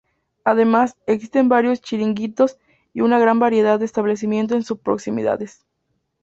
Además, existen varios chiringuitos y una gran variedad de establecimientos en sus proximidades.